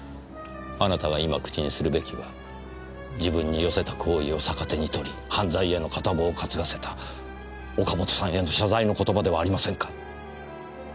あなたが今口にするべきは自分に寄せた好意を逆手に取り犯罪への片棒を担がせた岡本さんへの謝罪の言葉ではありませんか？